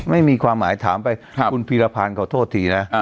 ไม่มีความหมายถามไปคุณพีรพันธ์ขอโทษทีนะ